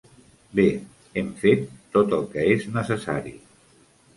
Bé, hem fet tot el que és necessari.